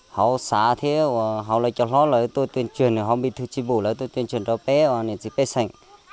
họ xã thiết và họ lấy cho họ là tôi tuyên truyền họ bị thư tri bộ là tôi tuyên truyền cho bé và nên đi bế sảnh